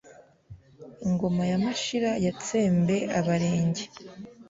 Ingoma ya Mashira yatsembe Abarenge